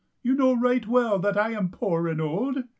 You know right well that I am poor and old.